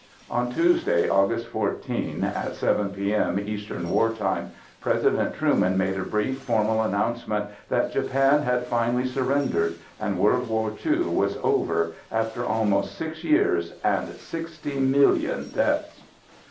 On Tuesday August 14, at 7 p.m. Eastern War Time, President Truman made a brief formal announcement that Japan had finally surrendered and World War II was over after almost six years and 60 million deaths!